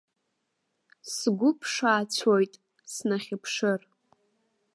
Сгәы ԥшаацәоит, снахьыԥшыр.